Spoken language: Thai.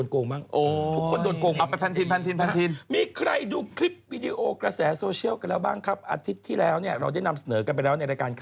ก็ไปเดินดูสิว่ามีใครไม่เคยโดนโกงบ้าง